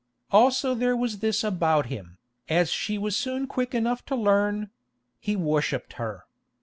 Also there was this about him, as she was soon quick enough to learn: he worshipped her.